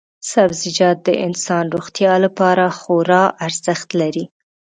سبزیجات د انسان روغتیا لپاره خورا ارزښت لري.